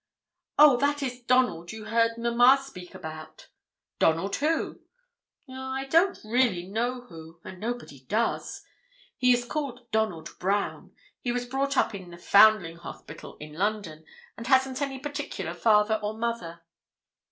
"Oh, that is Donald you heard mamma speak about!" "Donald who?" "Oh, I don't really know who, and nobody does! He is called Donald Brown. He was brought up in the Foundling Hospital, in London, and hasn't any particular father or mother."